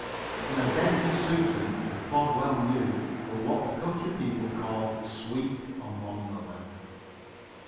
Now Dent and Susan, as Bob well knew, were what the country people call "sweet" on one another.